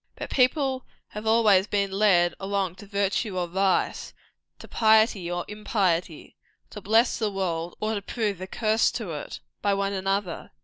But people have always been led along to virtue or vice, to piety or impiety, to bless the world or to prove a curse to it, by one another.